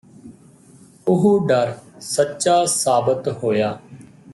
ਉਹ ਡਰ ਸੱਚਾ ਸਾਬਤ ਹੋਇਆ ਹੈ